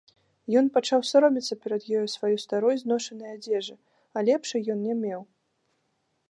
Ён пачаў саромецца перад ёю сваёй старой зношанай адзежы, а лепшай ён не меў.